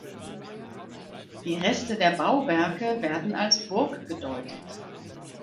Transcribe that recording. Die Reste der Bauwerke werden als Burg gedeutet.